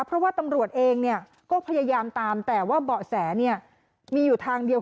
เพราะว่าตำรวจเองก็พยายามตามแต่ว่าเบาะแสเนี่ยมีอยู่ทางเดียว